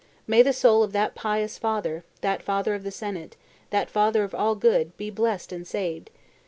May the soul of that pious father, that father of the senate, that father of all good, be blest and saved!